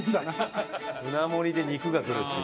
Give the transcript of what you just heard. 舟盛りで肉がくるっていう。